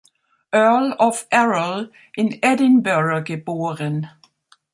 Earl of Erroll, in Edinburgh geboren.